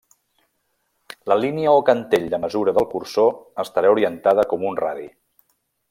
La línia o cantell de mesura del cursor estarà orientada com un radi.